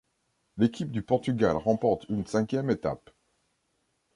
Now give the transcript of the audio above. L'équipe du Portugal remporte une cinquième étape.